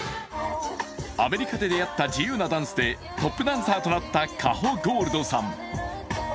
アメリカで出会った自由なダンスでトップダンサーとなったＣａｈｏｇｏｌｄさん。